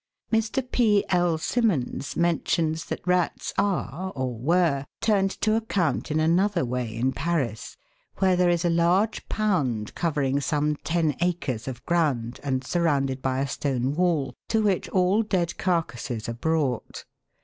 Mr. P. L. Simmonds mentions that rats are, or were, turned to account in another way in Paris, where there is a large pound, covering some ten acres of ground and sur rounded by a stone wall, to which all dead carcases are brought.